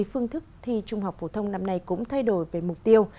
phương thức thi trung học phổ thông năm nay cũng thay đổi về mục tiêu